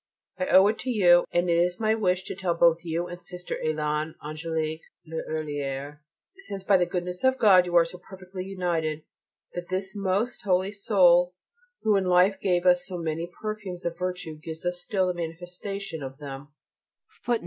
I owe it to you, and it is my wish to tell both you and Sister Hélène Angélique (L'huillier), since by the goodness of God you are so perfectly united, that this most holy soul, who in life gave us so many perfumes of virtue, gives us still the manifestation of them.